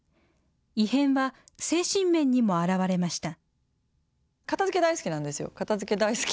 異変は精神面にも表れました。